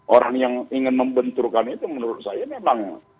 orang yang ingin membenturkan itu menurut saya memang